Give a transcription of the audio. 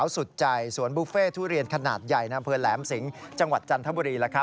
ส่วนบุฟเฟ่ทุเรียนขนาดใหญ่น้ำเพลินแหลมสิงจังหวัดจันทบุรี